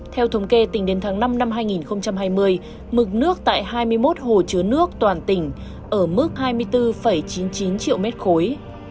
theo thống kê tính đến tháng năm năm hai nghìn hai mươi mực nước tại hai mươi một hồ chứa nước toàn tỉnh ở mức hai mươi bốn chín mươi chín triệu mét khối